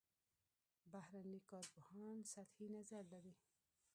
بهرني کارپوهان سطحي نظر لري.